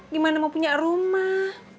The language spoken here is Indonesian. gimana mau punya rumah